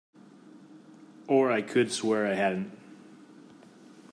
Or I could swear I hadn't.